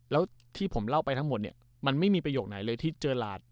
แล้วที่ผมเล่าไปทั้งหมดเนี่ยมันไม่มีประโยคไหนเลยที่เจอหลาด